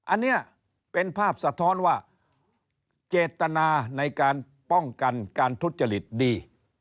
อันนี้เป็นภาพสะท้อนว่าเจตนาในการป้องกันการทุจริตดี